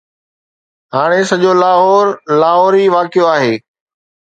هاڻي سڄو لاهور، لاهور ئي واقعو آهي